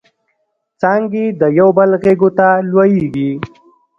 څانګې د یوبل غیږو ته لویږي